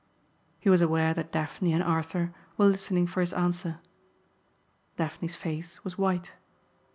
He was aware that Daphne and Arthur were listening for his answer. Daphne's face was white.